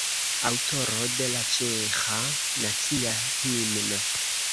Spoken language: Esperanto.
Aŭtoro de la ĉeĥa nacia himno.